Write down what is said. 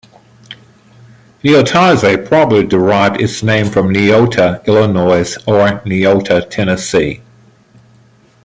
Niotaze probably derived its name from Niota, Illinois or Niota, Tennessee.